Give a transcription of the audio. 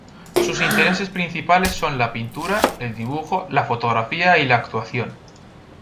Sus intereses principales son la pintura, el dibujo, la fotografía y la actuación.